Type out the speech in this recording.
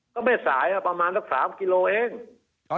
ก็แม่สายประมาณสัก๓กิโลเอง